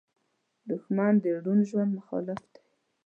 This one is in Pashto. دښمن د روڼ ژوند مخالف دی